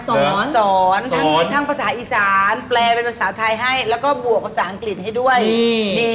สอนสอนทั้งภาษาอีสานแปลเป็นภาษาไทยให้แล้วก็บวกภาษาอังกฤษให้ด้วยดี